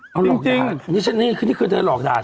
เปล่ากด่าติฉันเนาะ